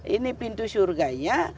ini pintu surganya